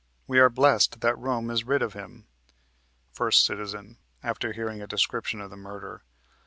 We are blessed that Rome is rid of him.... First Citizen. (After hearing a description of the murder.)